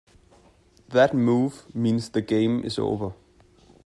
That move means the game is over.